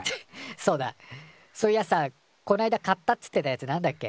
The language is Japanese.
そうだそういやさこないだ買ったっつってたやつなんだっけ？